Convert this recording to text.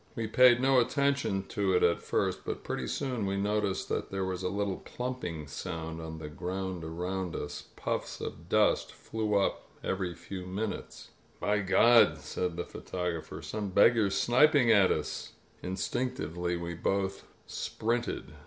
We. paid no attention to it at first, but pretty soon we noticed that there was a little plumping sound on the ground around us — ^puffs of dust flew up every few minutes. By God," said the photographer. "Some beggar's sniping at us.'' Instinctively we both sprinted.